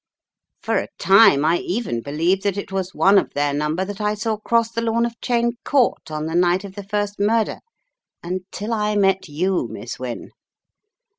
For a time I even believed that it was on* of their number that I saw cross the lawn of Cheyne Court on the night of the first murder until I met you, Miss Wynne.